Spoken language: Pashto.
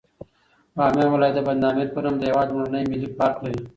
بامیان ولایت د بند امیر په نوم د هېواد لومړنی ملي پارک لري.